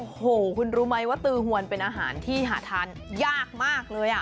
โอ้โหคุณรู้ไหมว่าตือหวนเป็นอาหารที่หาทานยากมากเลย